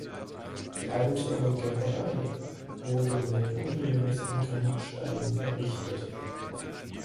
Die Alte Gerberei wurde mit unregelmäßigen Granitsteinen errichtet.